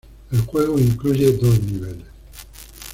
El juego incluye dos niveles.